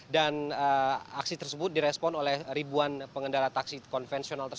aksi tersebut direspon oleh ribuan pengendara taksi konvensional